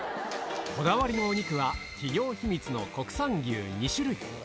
こだわりのお肉は企業秘密の国産牛２種類。